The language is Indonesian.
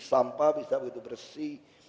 sampah bisa begitu bersih